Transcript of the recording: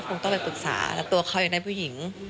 คงต้องไปปรึกษาแล้วตัวเขายังได้ผู้หญิง